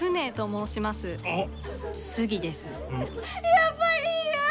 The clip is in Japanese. やっぱり嫌！